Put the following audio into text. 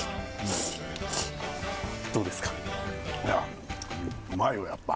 どうですか？